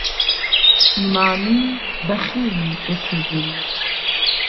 ئیمامی بەخێوی دەکردن.